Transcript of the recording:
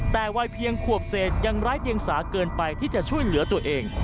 แต่วัยเพียงขวบเศษยังไร้เดียงสาเกินไปที่จะช่วยเหลือตัวเอง